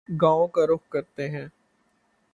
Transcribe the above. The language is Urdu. گاوں کا رخ کرتے ہیں